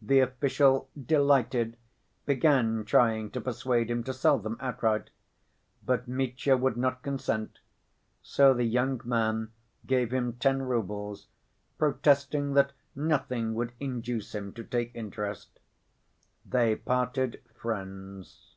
The official, delighted, began trying to persuade him to sell them outright. But Mitya would not consent, so the young man gave him ten roubles, protesting that nothing would induce him to take interest. They parted friends.